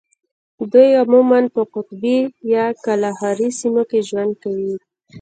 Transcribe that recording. دوی عموماً په قطبي یا کالاهاري سیمو کې ژوند کوي.